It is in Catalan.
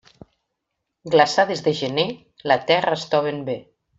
Glaçades de gener la terra estoven bé.